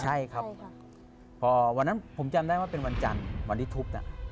ใช่ครับพอวันนั้นผมจำได้ว่าเป็นวันจันทร์วันที่ทุบน่ะ